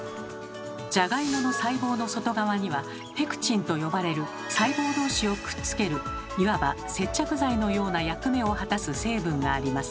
ジャガイモの細胞の外側には「ペクチン」と呼ばれる細胞同士をくっつけるいわば接着剤のような役目を果たす成分があります。